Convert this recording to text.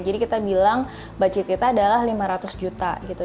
jadi kita bilang budget kita adalah lima ratus juta gitu